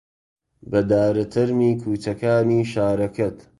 بەدارە تەرمی کووچەکانی شارەکەت